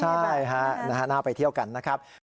ใช่ฮะน่าไปเที่ยวกันนะครับ